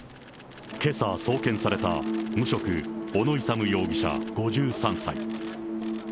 けさ送検された無職、小野勇容疑者５３歳。